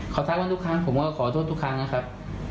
เขาทักว่าทุกครั้งผมก็ขอโทษทุกครั้งนะครับ